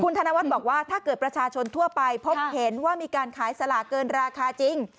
ธนวัฒน์บอกว่าถ้าเกิดประชาชนทั่วไปพบเห็นว่ามีการขายสลากเกินราคาจริง